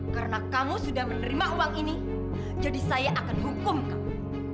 karena kamu sudah menerima uang ini jadi saya akan hukum kamu